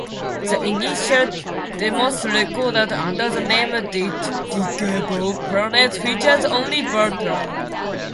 The initial demos recorded under the name Digable Planets featured only Butler.